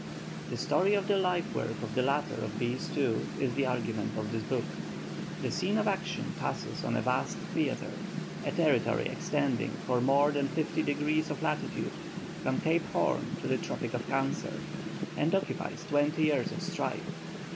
The story of the life work of the latter of these two is the Argument of this book. The scene of action passes on a vast theatre, a territory extending for more than fifty degrees of latitude, from Cape Horn to the Tropic of Cancer, and occupies twenty years of strife.